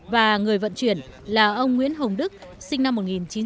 và người vận chuyển là ông nguyễn hồng đức sinh năm một nghìn chín trăm bảy mươi một